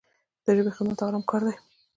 د ژبې خدمت ارام کار دی.